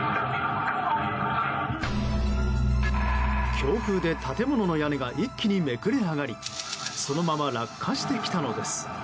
強風で建物の屋根が一気にめくれ上がりそのまま落下してきたのです。